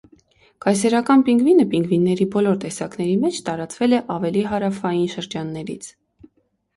Կայսերական պինգվինը պինգվինների բոլոր տեսակների մեջ տարածվել է ավելի հարավային շրջաններից։